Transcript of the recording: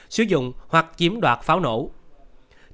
sử dụng pháo hoa